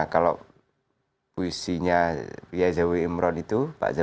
kalau puisinya pak zawim imron itu